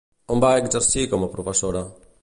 On va exercir com a professora?